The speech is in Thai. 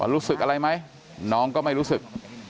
รู้สึกอะไรไหมน้องก็ไม่รู้สึก